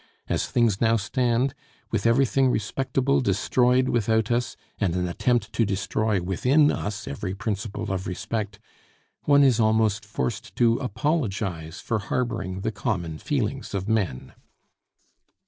As things now stand, with everything respectable destroyed without us, and an attempt to destroy within us every principle of respect, one is almost forced to apologize for harboring the common feelings of men.